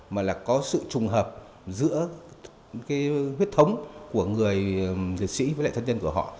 mà là có sự trùng hợp giữa cái huyết thống của người liệt sĩ với lại thân nhân của họ